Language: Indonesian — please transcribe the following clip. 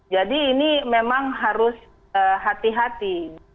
jadi ini memang harus hati hati